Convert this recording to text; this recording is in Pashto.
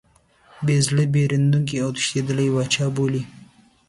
بې زړه، بېرندوکی او تښتېدلی پاچا بولي.